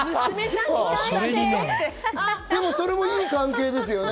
それも良い関係ですよね。